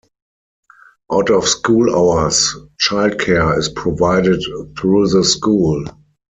Out of schools hours child care is provided through the school.